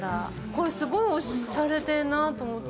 これすごいしゃれてるなと思って。